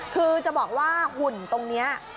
คือจะบอกว่าหุ่นตรงนี้